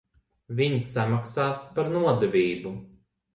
Viņi samaksās par nodevību.